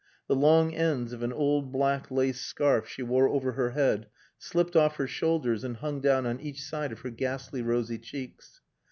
The long ends of an old black lace scarf she wore over her head slipped off her shoulders and hung down on each side of her ghastly rosy cheeks.